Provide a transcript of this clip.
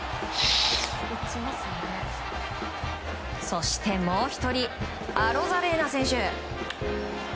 そして、もう１人アロザレーナ選手。